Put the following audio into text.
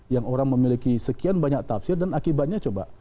yang orang memiliki sekian banyak tafsir dan akibatnya coba